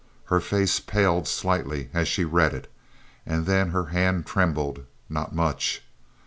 Her face paled slightly as she read it; and then her hand trembled—not much.